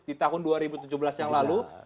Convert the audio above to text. di tahun dua ribu tujuh belas yang lalu